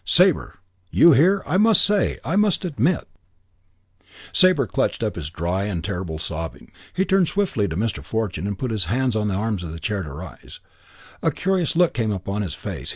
"Sabre! You here! I must say I must admit " Sabre clutched up his dry and terrible sobbing. He turned swiftly to Mr. Fortune and put his hands on the arms of the chair to rise. A curious look came upon his face.